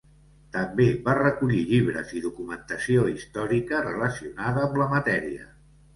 També va recollir llibres i documentació històrica relacionada amb la matèria.